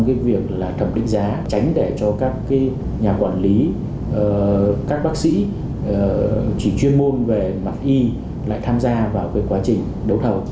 trong việc thẩm định giá tránh để cho các nhà quản lý các bác sĩ chỉ chuyên môn về mặt y lại tham gia vào quá trình đấu thầu